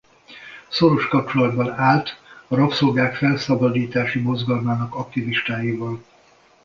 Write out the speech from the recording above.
Szoros kapcsolatban állt a rabszolgák felszabadítási mozgalmának aktivistáival.